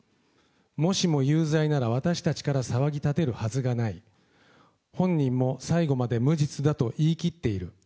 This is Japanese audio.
もしも有罪なら私たちから騒ぎ立てるはずがない、本人も最後まで無実だと言い切っている。